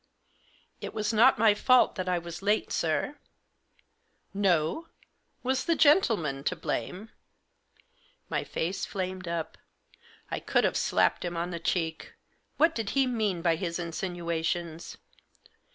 " It was not my fault that I was late, sir." " No ? Was the gentleman to blame ?" My face flamed up. I could have slapped him on the cheek. What did he mean by his insinuations